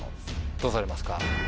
どうされますか？